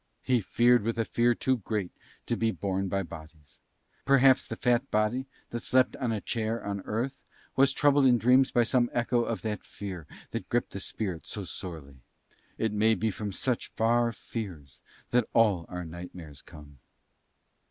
He feared with a fear too great to be borne by bodies. Perhaps the fat body that slept on a chair on earth was troubled in dreams by some echo of that fear that gripped the spirit so sorely. And it may be from such far fears that all our nightmares come.